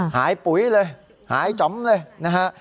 หายปุ๋ยเลยหายจำเลยนะฮะ